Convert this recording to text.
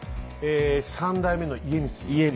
３代目の家光。